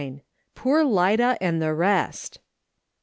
"POOR LIDA AND THE REST."